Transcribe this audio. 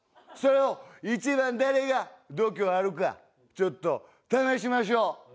それを一番誰が度胸あるかちょっと試しましょう。